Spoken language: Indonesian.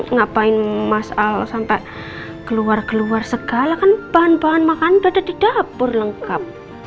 ngapain mas al sampai keluar geluar segala kan bahan bahan makan dada di dapur lengkap